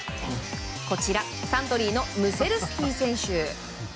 こちら、サントリーのムセルスキー選手。